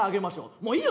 もういいよ